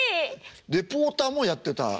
リポーターもやってた。